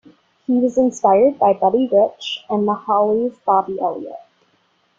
He was inspired by Buddy Rich and The Hollies' Bobby Elliott.